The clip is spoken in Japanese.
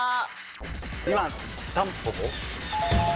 ２番タンポポ？